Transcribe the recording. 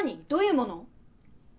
どういうもの？